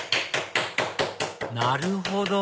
なるほど！